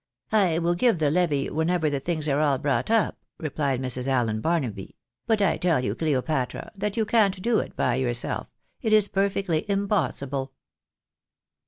" I will give the levy whenever the things are all brought up," replied Mrs. Allen Barnaby ;" but I teU you, Cleopatra, that you can't do it by yourself; it is perfectly impossible."